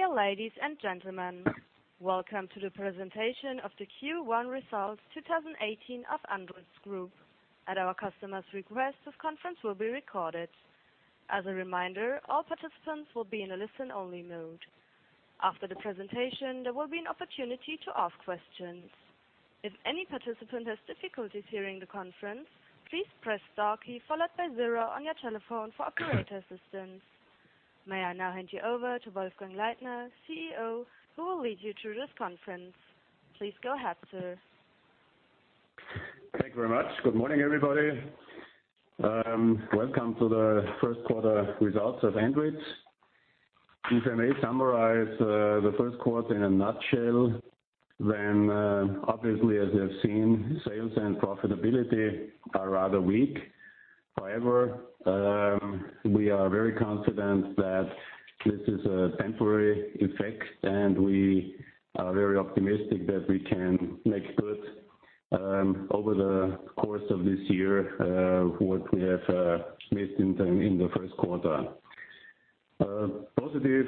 Dear ladies and gentlemen, welcome to the presentation of the Q1 results 2018 of Andritz Group. At our customers' request, this conference will be recorded. As a reminder, all participants will be in a listen-only mode. After the presentation, there will be an opportunity to ask questions. If any participant has difficulties hearing the conference, please press star key followed by zero on your telephone for operator assistance. May I now hand you over to Wolfgang Leitner, CEO, who will lead you through this conference. Please go ahead, sir. Thank you very much. Good morning, everybody. Welcome to the first quarter results of Andritz. If I may summarize the first quarter in a nutshell, obviously, as you have seen, sales and profitability are rather weak. However, we are very confident that this is a temporary effect, and we are very optimistic that we can make good over the course of this year what we have missed in the first quarter. Positive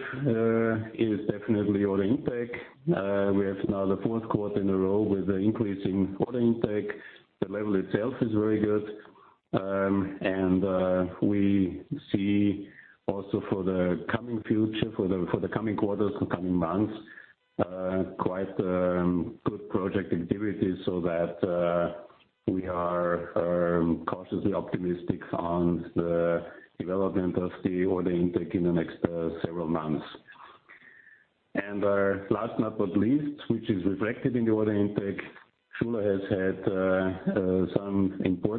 is definitely order intake. We have now the fourth quarter in a row with the increase in order intake. The level itself is very good. We see also for the coming future, for the coming quarters and coming months, quite good project activities so that we are cautiously optimistic on the development of the order intake in the next several months. Last but not least, which is reflected in the order intake, Schuler has had some important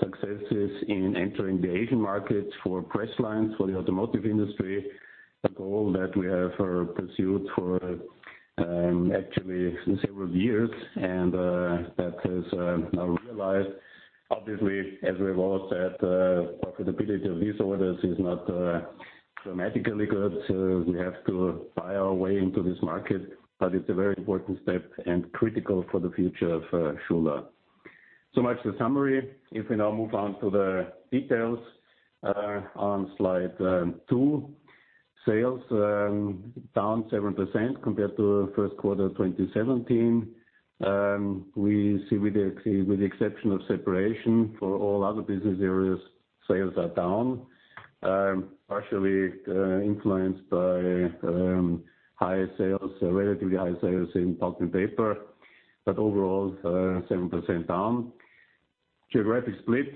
successes in entering the Asian market for press lines for the automotive industry, a goal that we have pursued for actually several years, and that is now realized. Obviously, as we have always said, profitability of these orders is not dramatically good. We have to buy our way into this market, but it's a very important step and critical for the future of Schuler. Much for summary. If we now move on to the details on slide two. Sales down 7% compared to first quarter 2017. We see with the exception of Separation, for all other business areas, sales are down. Partially influenced by relatively high sales in Pulp & Paper, overall, 7% down. Geographic split.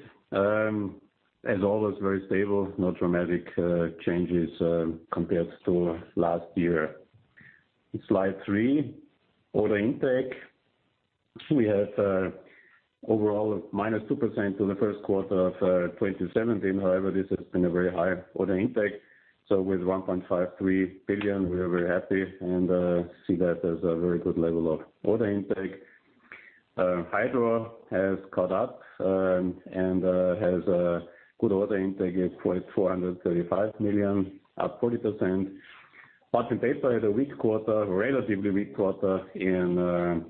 As always, very stable, no dramatic changes compared to last year. Slide three, order intake. We have overall minus 2% to the first quarter of 2017. However, this has been a very high order intake. With 1.53 billion, we are very happy and see that as a very good level of order intake. Hydro has caught up and has a good order intake at 435 million, up 40%. Pulp & Paper had a relatively weak quarter in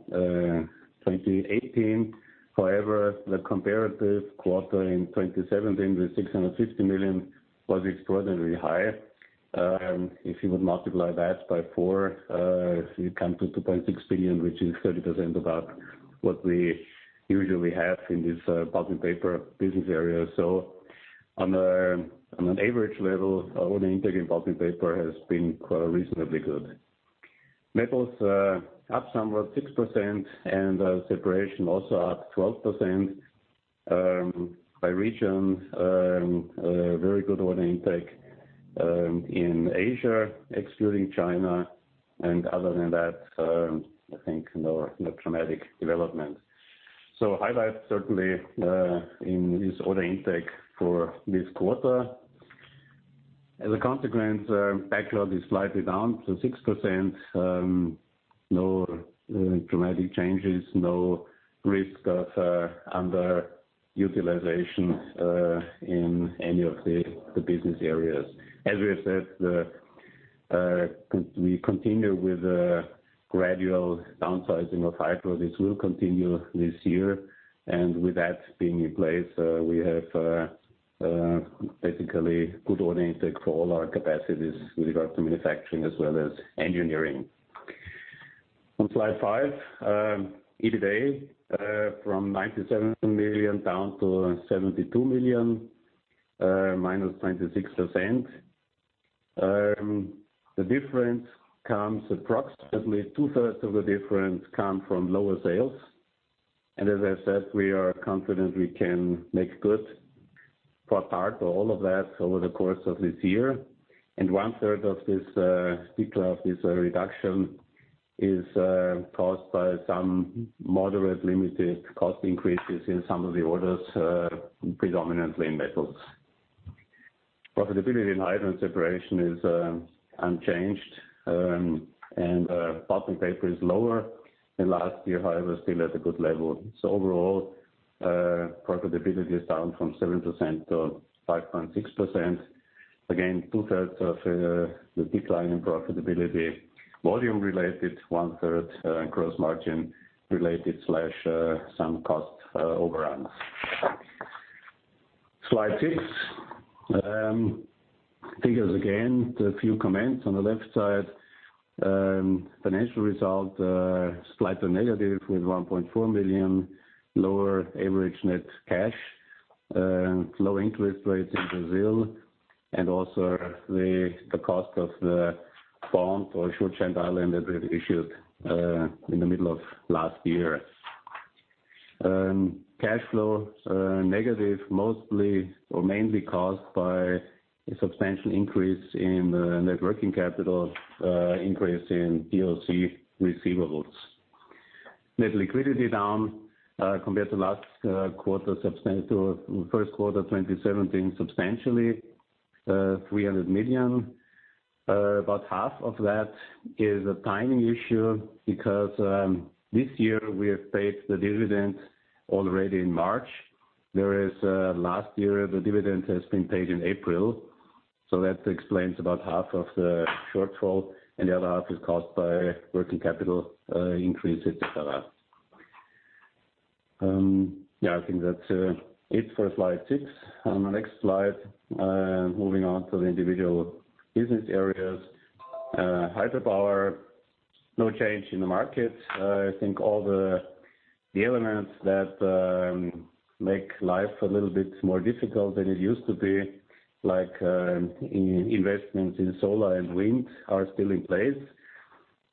2018. However, the comparative quarter in 2017 with 650 million was extraordinarily high. If you would multiply that by four, you come to 2.6 billion, which is 30% above what we usually have in this Pulp & Paper business area. On an average level, our order intake in Pulp & Paper has been quite reasonably good. Metals up somewhat, 6%. Separation also up 12%. By region, very good order intake in Asia, excluding China, other than that, I think no dramatic development. Highlight certainly in this order intake for this quarter. As a consequence, backlog is slightly down to 6%. No dramatic changes, no risk of underutilization in any of the business areas. As we have said, we continue with a gradual downsizing of Hydro. This will continue this year. With that being in place, we have basically good order intake for all our capacities with regard to manufacturing as well as engineering. On slide five, EBITDA from 97 million down to 72 million, minus 26%. Approximately two-thirds of the difference come from lower sales. As I said, we are confident we can make good for part or all of that over the course of this year. One-third of this decline, this reduction is caused by some moderate limited cost increases in some of the orders, predominantly in Metals. Profitability in Hydro and Separation is unchanged. Pulp & Paper is lower than last year. However, still at a good level. Overall, profitability is down from 7% to 5.6%. Again, two-thirds of the decline in profitability, volume-related, one-third gross margin related/some cost overruns. Slide six. Figures again, a few comments. On the left side, financial result slightly negative with 1.4 million, lower average net cash. Low interest rates in Brazil and also the cost of the bond or short-term loan that we issued in the middle of last year. Cash flow negative mostly or mainly caused by a substantial increase in net working capital, increase in DOC receivables. Net liquidity down compared to first quarter of 2017, substantially 300 million. About half of that is a timing issue because this year we have paid the dividend already in March. Whereas last year, the dividend has been paid in April. That explains about half of the shortfall, and the other half is caused by working capital increase et cetera. I think that's it for slide six. On the next slide, moving on to the individual business areas. Hydropower, no change in the market. I think all the elements that make life a little bit more difficult than it used to be, like investments in solar and wind are still in place.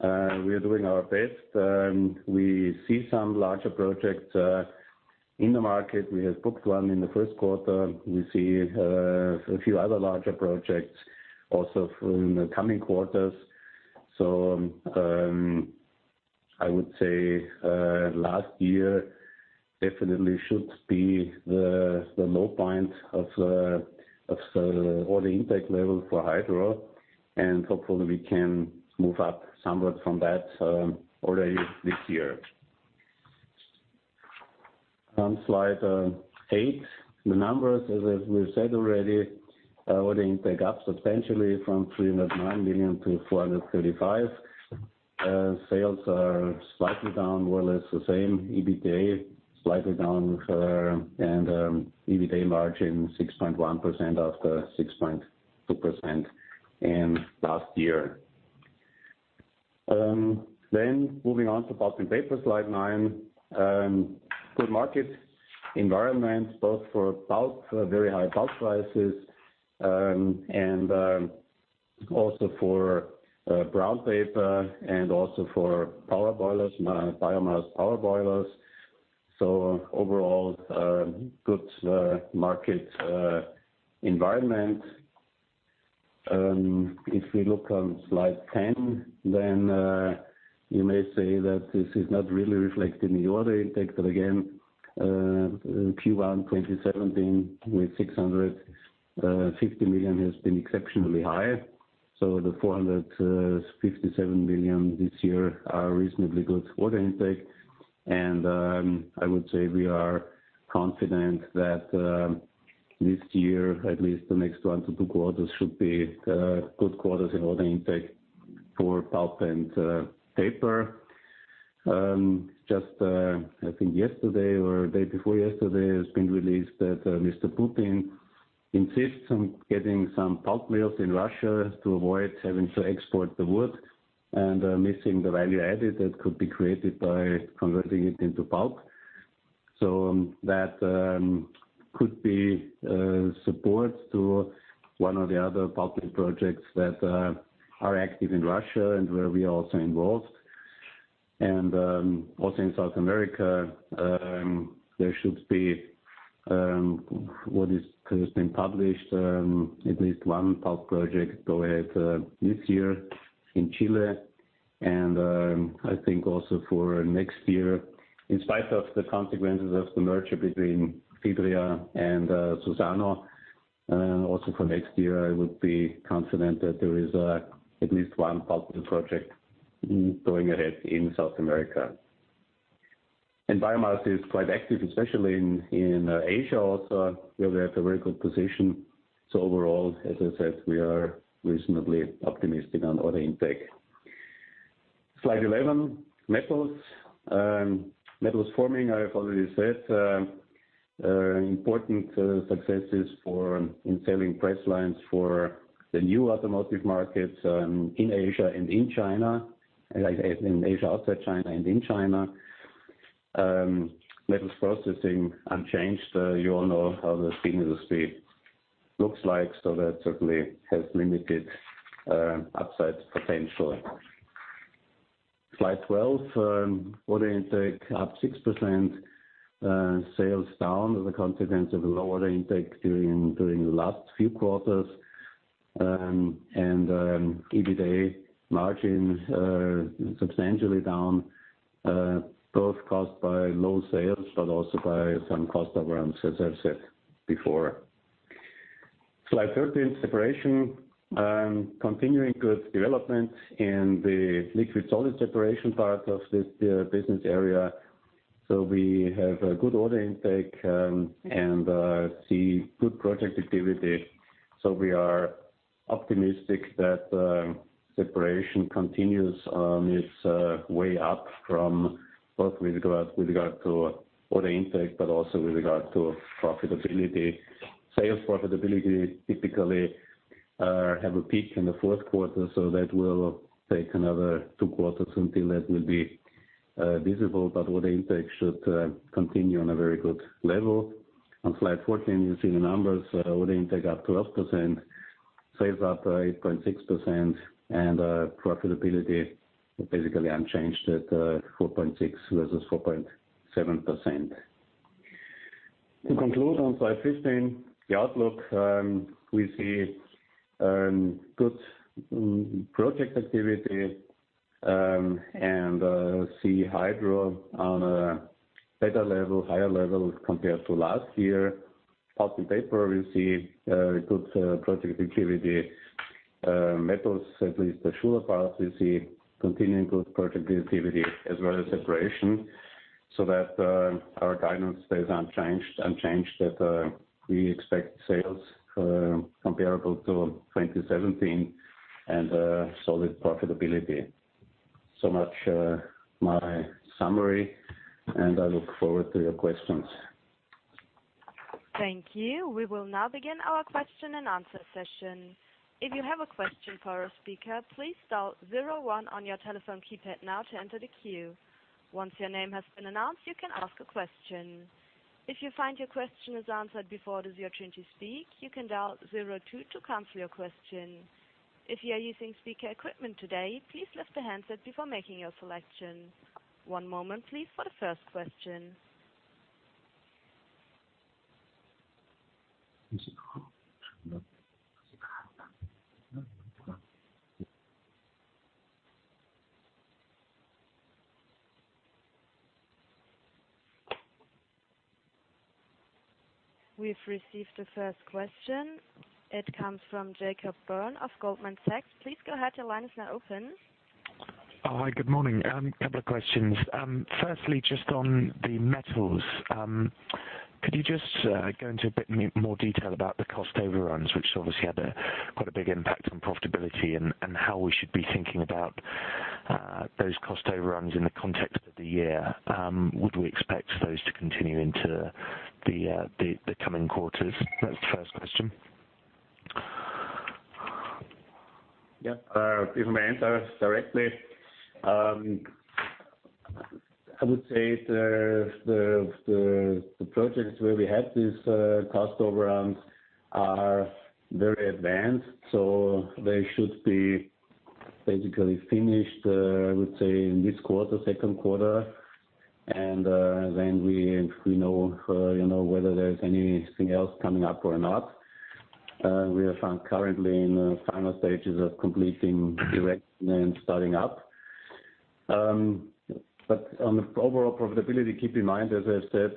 We are doing our best. We see some larger projects in the market. We have booked one in the first quarter. We see a few other larger projects also for in the coming quarters. I would say, last year definitely should be the low point of the order intake level for Hydro. Hopefully we can move up somewhat from that already this year. On slide eight, the numbers, as we've said already, order intake up substantially from 309 million to 435 million. Sales are slightly down, more or less the same. EBITDA slightly down, and EBITDA margin 6.1% after 6.2% in last year. Moving on to Pulp & Paper, slide nine. Good market environment both for very high pulp prices and also for brown paper and also for biomass power boilers. Overall, good market environment. If we look on slide 10, then you may say that this is not really reflected in the order intake. Again, Q1 2017 with 650 million has been exceptionally high. The 457 million this year are a reasonably good order intake. I would say we are confident that this year, at least the next one to two quarters should be good quarters in order intake for pulp and paper. Just, I think yesterday or day before yesterday, it has been released that Mr. Putin insists on getting some pulp mills in Russia to avoid having to export the wood and missing the value added that could be created by converting it into pulp. That could be support to one or the other pulp mill projects that are active in Russia and where we are also involved. Also in South America, there should be, what has been published, at least one pulp project go ahead this year in Chile. I think also for next year, in spite of the consequences of the merger between Fibria and Suzano. Also for next year, I would be confident that there is at least one pulp mill project going ahead in South America. Biomass is quite active, especially in Asia also, where we have a very good position. Overall, as I said, we are reasonably optimistic on order intake. Slide 11. Metals. Metals Forming, I have already said, important successes in selling press lines for the new automotive markets in Asia outside China and in China. Metals Processing, unchanged. You all know how the steel industry looks like, so that certainly has limited upside potential. Slide 12. Order intake up 6%, sales down as a consequence of lower order intake during the last few quarters. EBITDA margins are substantially down, both caused by low sales, but also by some cost overruns, as I have said before. Slide 13, Separation. Continuing good development in the liquid solid separation part of this business area. We have a good order intake and see good project activity. We are optimistic that Separation continues on its way up from both with regard to order intake, but also with regard to profitability. Sales profitability typically have a peak in the fourth quarter, so that will take another two quarters until that will be visible. Order intake should continue on a very good level. On slide 14, you see the numbers, order intake up 12%, sales up 8.6%, and profitability basically unchanged at 4.6% versus 4.7%. To conclude on slide 15, the outlook. We see good project activity, and see Hydro on a better level, higher level compared to last year. Pulp & Paper, we see good project activity. Metals, at least the Schuler part, we see continuing good project activity as well as Separation. That our guidance stays unchanged. That we expect sales comparable to 2017 and solid profitability. Much for my summary, and I look forward to your questions. Thank you. We will now begin our question and answer session. If you have a question for a speaker, please dial zero one on your telephone keypad now to enter the queue. Once your name has been announced, you can ask a question. If you find your question is answered before it is your turn to speak, you can dial zero two to cancel your question. If you are using speaker equipment today, please lift the handset before making your selection. One moment please for the first question. We've received the first question. It comes from Jacob Bern of Goldman Sachs. Please go ahead. Your line is now open. Hi, good morning. A couple of questions. Firstly, just on the Metals. Could you just go into a bit more detail about the cost overruns, which obviously had quite a big impact on profitability, and how we should be thinking about those cost overruns in the context of the year? Would we expect those to continue into the coming quarters? That's the first question. Yeah. If I may answer directly. I would say the projects where we had these cost overruns are very advanced, so they should be basically finished, I would say, in this quarter, second quarter. Then we know whether there's anything else coming up or not. We are found currently in the final stages of completing erection and starting up. On the overall profitability, keep in mind, as I said,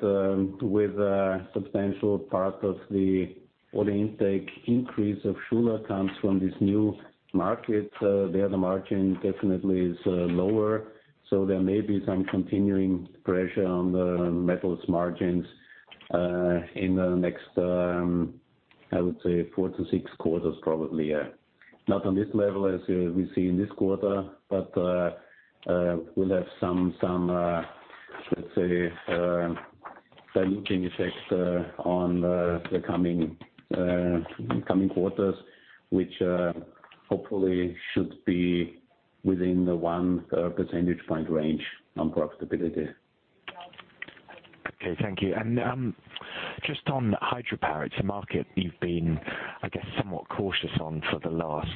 with a substantial part of the order intake increase of Schuler comes from this new market. There the margin definitely is lower. So there may be some continuing pressure on the Metals margins in the next, I would say, four to six quarters, probably. Not on this level as we see in this quarter, but we'll have some, let's say, diluting effect on the coming quarters, which hopefully should be within the one percentage point range on profitability. Okay, thank you. Just on hydropower, it's a market you've been, I guess, somewhat cautious on for the last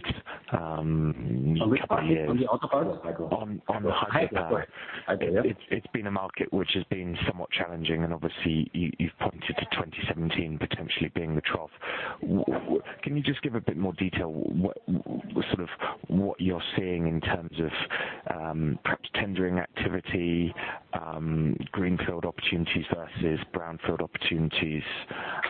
couple years. On the hydropower? On the hydropower. Okay. It's been a market which has been somewhat challenging and obviously you've pointed to 2017 potentially being the trough. Can you just give a bit more detail? What you're seeing in terms of perhaps tendering activity, greenfield opportunities versus brownfield opportunities?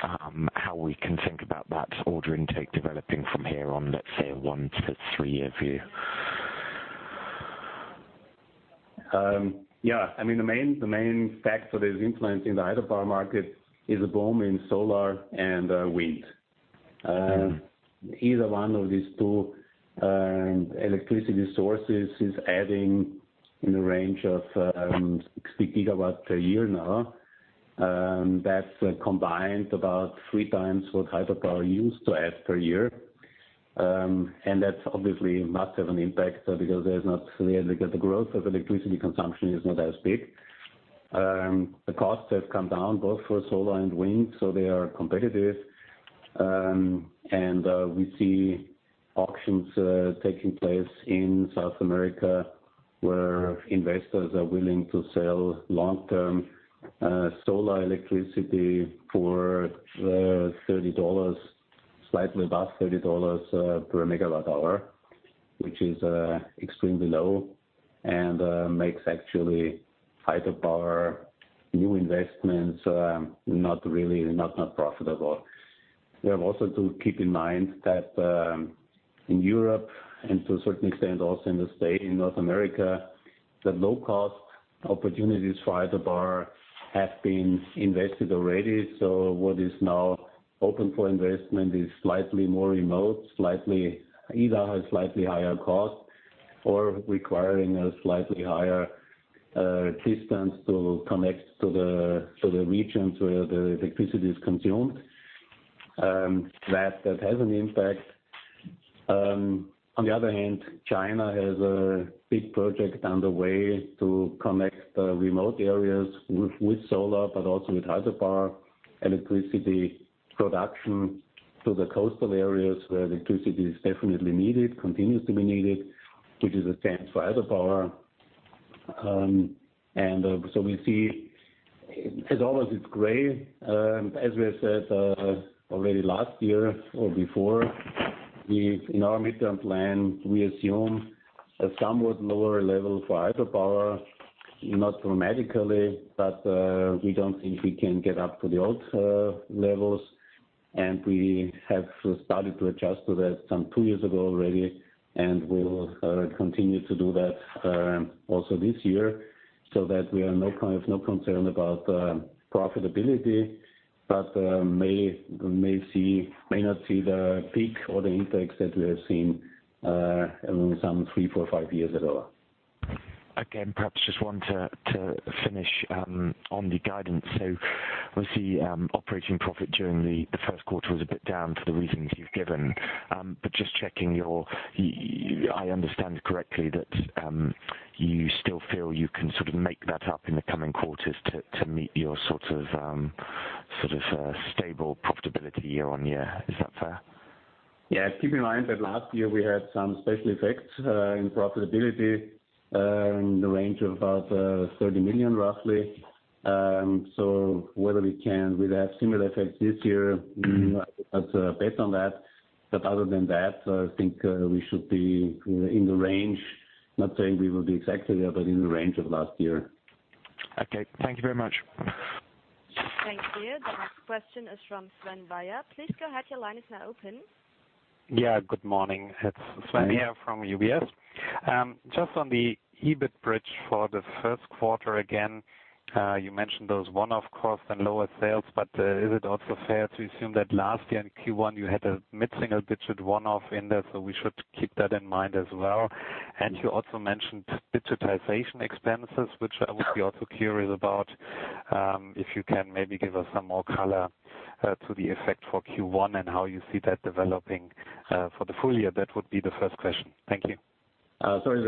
How we can think about that order intake developing from here on, let's say, a one to three year view. Yeah. The main factor that is influencing the hydropower market is a boom in solar and wind. Either one of these two electricity sources is adding in the range of 60 gigawatts per year now. That's combined about three times what hydropower used to add per year. That's obviously massive an impact because the growth of electricity consumption is not as big. The costs have come down both for solar and wind, so they are competitive. We see auctions taking place in South America where investors are willing to sell long-term solar electricity for slightly above EUR 30 per megawatt hour, which is extremely low and makes actually hydropower new investments not profitable. We have also to keep in mind that in Europe and to a certain extent also in the State in North America the low-cost opportunities for hydropower have been invested already. What is now open for investment is slightly more remote. Either has slightly higher cost or requiring a slightly higher distance to connect to the regions where the electricity is consumed. That has an impact. On the other hand, China has a big project on the way to connect the remote areas with solar, but also with hydropower, electricity production to the coastal areas where electricity is definitely needed, continues to be needed, which is the same for hydropower. We see, as always, it's gray. As we have said, already last year or before, in our midterm plan, we assume a somewhat lower level for hydropower, not dramatically, but we don't think we can get up to the old levels. We have started to adjust to that some two years ago already, and we will continue to do that, also this year, so that we have no concern about profitability, but may not see the peak or the impacts that we have seen some three, four, five years ago. Again, perhaps just one to finish on the guidance. Obviously, operating profit during the first quarter was a bit down for the reasons you've given. Just checking, I understand correctly that you still feel you can sort of make that up in the coming quarters to meet your stable profitability year-over-year. Is that fair? Yeah. Keep in mind that last year we had some special effects in profitability in the range of about 30 million roughly. Whether we can, we'll have similar effects this year, I think that's based on that. Other than that, I think we should be in the range. Not saying we will be exactly there, but in the range of last year. Okay. Thank you very much. Thank you. The next question is from Sven Weier. Please go ahead. Your line is now open. Yeah. Good morning. It's Sven Weier from UBS. Just on the EBIT bridge for the first quarter, you mentioned those one-off costs and lower sales, but is it also fair to assume that last year in Q1 you had a mid-single-digit one-off in there, so we should keep that in mind as well? You also mentioned digitization expenses, which I would be also curious about. If you can maybe give us some more color to the effect for Q1 and how you see that developing for the full year. That would be the first question. Thank you. Sorry.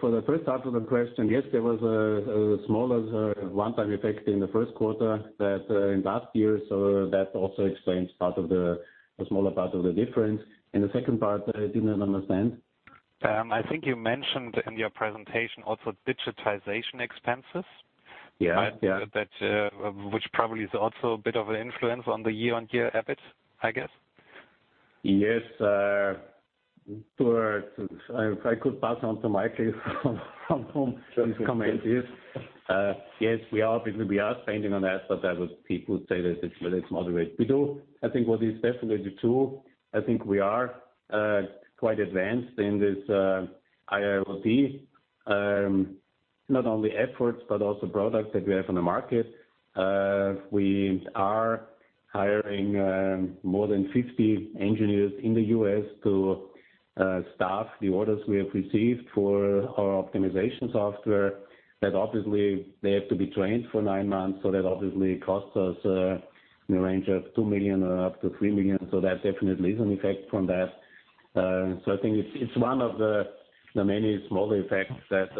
For the first half of the question, yes, there was a smaller one-time effect in the first quarter that in last year. That also explains a smaller part of the difference. The second part I did not understand. I think you mentioned in your presentation also digitization expenses. Yeah. Which probably is also a bit of an influence on the year-on-year EBIT, I guess. Yes. If I could pass on to Michael, from whom this comment is. Yes, we are spending on that, but I would say that it's moderate. We do. I think what is definitely true, I think we are quite advanced in this IIoT, not only efforts, but also products that we have on the market. We are hiring more than 50 engineers in the U.S. to staff the orders we have received for our optimization software. Obviously they have to be trained for nine months, that obviously costs us in the range of 2 million up to 3 million. That definitely is an effect from that. I think it's one of the many small effects that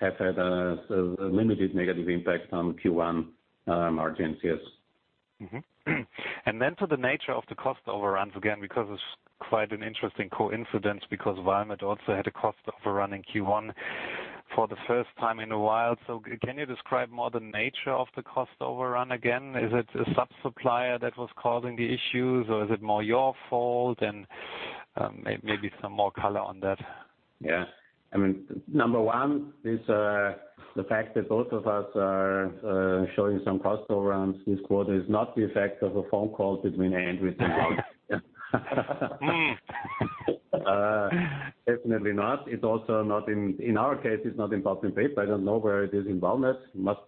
have had a limited negative impact on Q1 margins. Yes. Mm-hmm. Then to the nature of the cost overruns again, because it's quite an interesting coincidence because Valmet also had a cost overrun in Q1 for the first time in a while. Can you describe more the nature of the cost overrun again? Is it a sub-supplier that was causing the issues, or is it more your fault? Maybe some more color on that. Yeah. Number 1 is the fact that both of us are showing some cost overruns this quarter is not the effect of a phone call between Andy and me. Definitely not. In our case, it's not in Pulp & Paper. I don't know where it is in Valmet. Most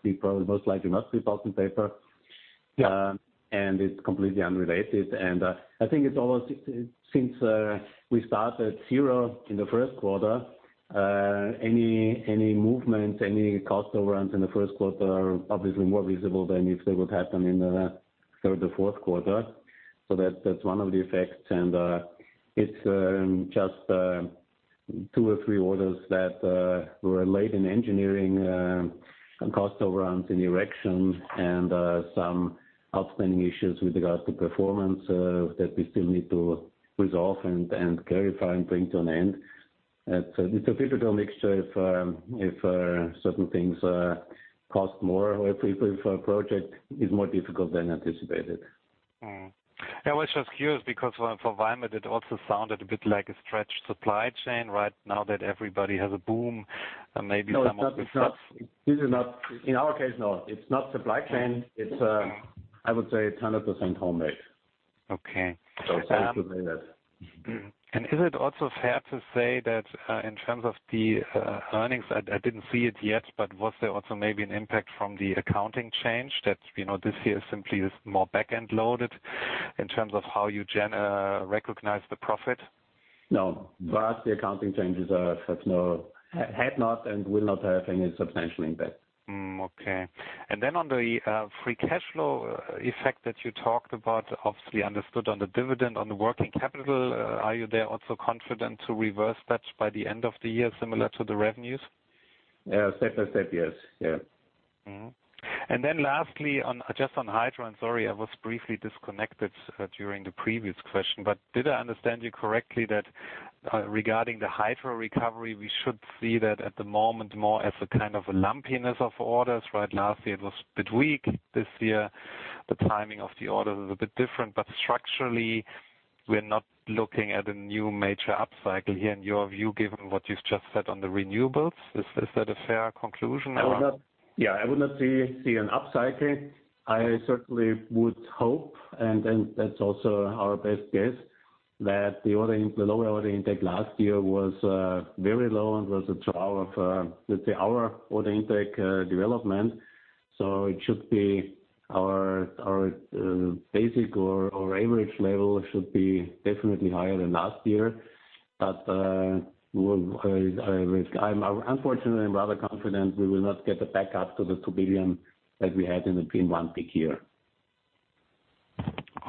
likely must be Pulp & Paper. Yeah. It's completely unrelated. I think since we started 0 in the first quarter, any movement, any cost overruns in the first quarter are obviously more visible than if they would happen in the third or fourth quarter. That's one of the effects. It's just two or three orders that were late in engineering, cost overruns in erection, and some outstanding issues with regards to performance, that we still need to resolve and clarify and bring to an end. It's a bit of a mixture if certain things cost more or if a project is more difficult than anticipated. Mm-hmm. I was just curious because for Valmet it also sounded a bit like a stretched supply chain right now that everybody has a boom and maybe some of the stuff. No. In our case, no. It's not supply chain. It's, I would say, 100% homemade. Okay. Thanks for saying that. Is it also fair to say that in terms of the earnings, I didn't see it yet, but was there also maybe an impact from the accounting change that this year simply is more back-end loaded in terms of how you recognize the profit? No. Vastly, accounting changes had not and will not have any substantial impact. Okay. Then on the free cash flow effect that you talked about, obviously understood on the dividend, on the working capital, are you there also confident to reverse that by the end of the year similar to the revenues? Yeah. Step by step, yes. Lastly, just on Hydro. Sorry, I was briefly disconnected during the previous question, but did I understand you correctly that regarding the Hydro recovery, we should see that at the moment more as a kind of a lumpiness of orders? Last year it was a bit weak. This year, the timing of the orders is a bit different, but structurally, we're not looking at a new major upcycle here in your view, given what you've just said on the renewables. Is that a fair conclusion? Yeah, I would not see an upcycle. I certainly would hope, and that's also our best guess, that the lower order intake last year was very low and was a trial of, let's say, our order intake development. Our basic or average level should be definitely higher than last year. Unfortunately, I'm rather confident we will not get the back up to the 2 billion EUR that we had in the P1 peak year.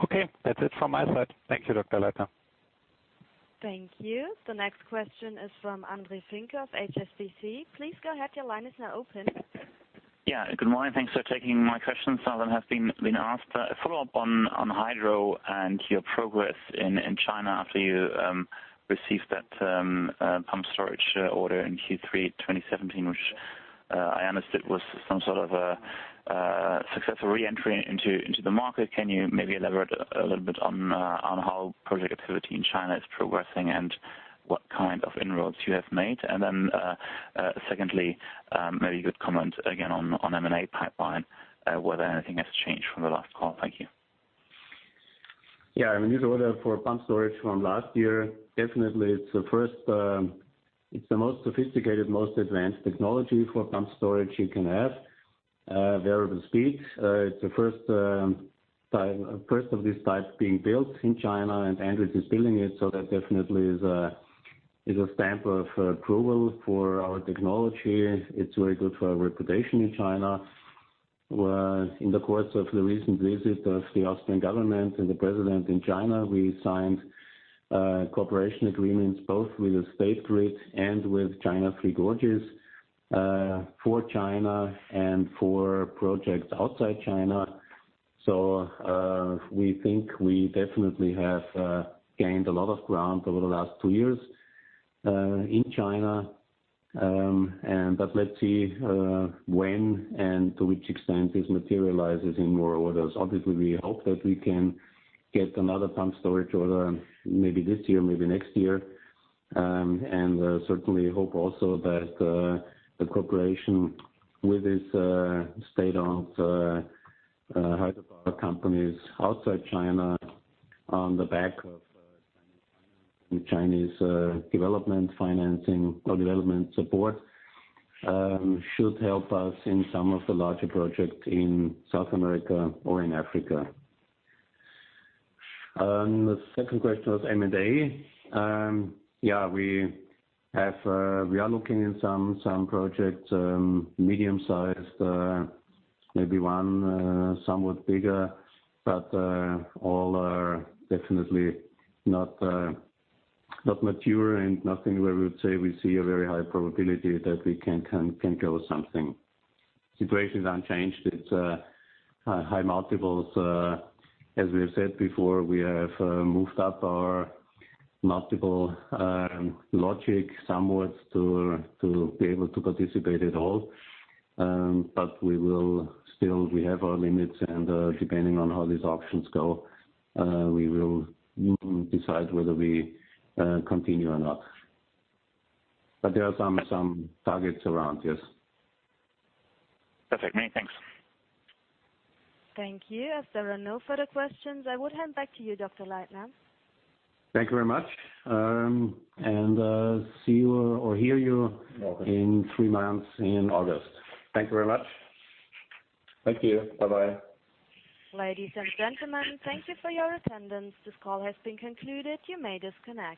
Okay. That's it from my side. Thank you, Wolfgang Leitner. Thank you. The next question is from Andre Finke of HSBC. Please go ahead, your line is now open. Good morning. Thanks for taking my questions. Some that have been asked. A follow-up on Hydro and your progress in China after you received that pumped storage order in Q3 2017, which I understood was some sort of a successful re-entry into the market. Can you maybe elaborate a little bit on how project activity in China is progressing and what kind of inroads you have made? Secondly, maybe you could comment again on M&A pipeline, whether anything has changed from the last call. Thank you. A new order for pumped storage from last year. Definitely it's the most sophisticated, most advanced technology for pumped storage you can have. Variable speed. It's the first of this type being built in China, and Andritz is building it, so that definitely is a stamp of approval for our technology. It's very good for our reputation in China. In the course of the recent visit of the Austrian government and the president in China, we signed cooperation agreements both with the State Grid and with China Three Gorges for China and for projects outside China. We think we definitely have gained a lot of ground over the last two years in China. Let's see when and to which extent this materializes in more orders. Obviously, we hope that we can get another pumped storage order maybe this year, maybe next year. Certainly hope also that the cooperation with this state-owned hydropower companies outside China on the back of Chinese development financing or development support should help us in some of the larger projects in South America or in Africa. The second question was M&A. We are looking in some projects, medium-sized, maybe one somewhat bigger. All are definitely not mature and nothing where we would say we see a very high probability that we can go something. Situation's unchanged. It's high multiples. As we have said before, we have moved up our multiple logic somewhat to be able to participate at all. We have our limits, and depending on how these auctions go, we will decide whether we continue or not. There are some targets around, yes. That's it from me. Thanks. Thank you. As there are no further questions, I would hand back to you, Wolfgang Leitner. Thank you very much. See you or hear you in three months in August. Thank you very much. Thank you. Bye-bye. Ladies and gentlemen, thank you for your attendance. This call has been concluded. You may disconnect.